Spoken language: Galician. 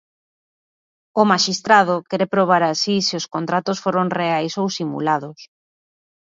O maxistrado quere probar así se os contratos foron reais ou simulados.